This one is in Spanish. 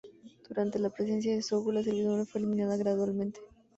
Durante la presidencia de Zogu, la servidumbre fue eliminada gradualmente.